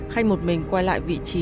khanh một mình quay lại vị trí